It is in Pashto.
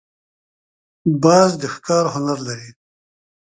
باز د ښکار هنر لري